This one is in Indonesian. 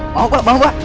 mau pak mau pak